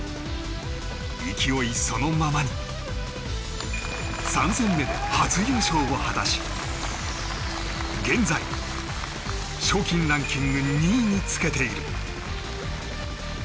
勢いそのままに３戦目で初優勝を果たし現在、賞金ランキング２位につけている。